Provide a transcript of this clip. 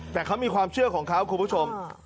แต่เขามีความเชื่อของเขาคุณผู้ชม